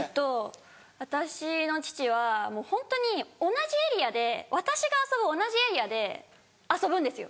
私の父はもうホントに同じエリアで私が遊ぶ同じエリアで遊ぶんですよ。